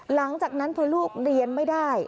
หลังจากนั้นพอลูกเรียนไม่ได้